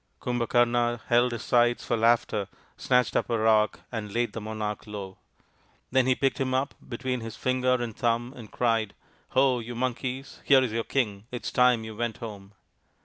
Kumbhakarna held his sides for laughter, snatched up a rock and laid the monarch low. Then he picked him up between his finger and thumb and cried, " Ho, you Monkeys, here is your king. It is time you went home."